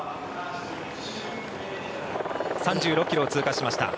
３６ｋｍを通過しました。